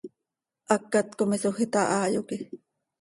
Hacat com isoj itahaa, yoque.